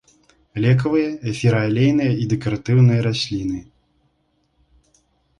Лекавыя, эфіраалейныя і дэкаратыўныя расліны.